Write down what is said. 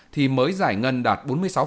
thì mới giải ngân đạt bốn mươi sáu